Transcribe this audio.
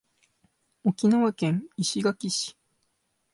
沖縄県石垣市